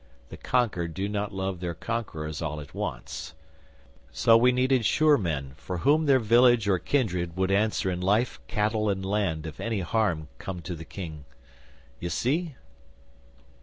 The conquered do not love their conquerors all at once. So we needed sure men, for whom their village or kindred would answer in life, cattle, and land if any harm come to the King. Ye see?